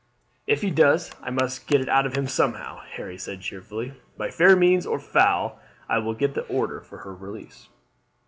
"If he does, I must get it out of him somehow," Harry said cheerfully. "By fair means or foul I will get the order for her release."